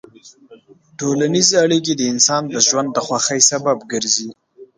ټولنیز اړیکې د انسان د ژوند د خوښۍ سبب ګرځي.